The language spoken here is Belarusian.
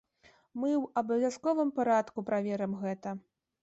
Мы ў абавязковым парадку праверым гэта.